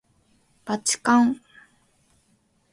ばちかん